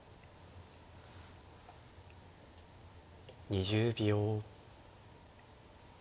２０秒。